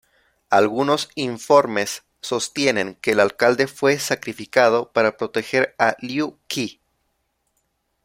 Algunos informes sostienen que el alcalde fue "sacrificado" para proteger a Liu Qi.